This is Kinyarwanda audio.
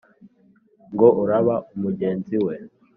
Ngo urabe mugenzi we